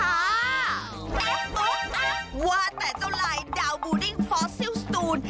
เอ๊ะโอ๊ะว่าแต่เจ้าลายดาวบูดิ้งฟอสซิลส์สตูน